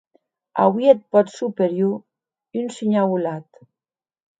Auie eth pòt superior un shinhau holat.